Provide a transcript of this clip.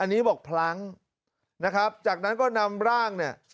อันนี้บอกพลั้งนะครับจากนั้นก็นำร่างเนี่ย